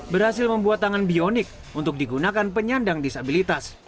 berhasil membuat tangan bionik untuk digunakan penyandang disabilitas